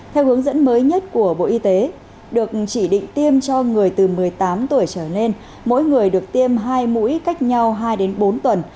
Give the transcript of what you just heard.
theo hướng dẫn mới nhất của bộ y tế được chỉ định tiêm cho người từ một mươi tám tuổi trở lên mỗi người được tiêm hai mũi cách nhau hai đến bốn tuần